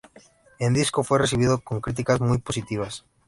El disco fue recibido con críticas muy positivas.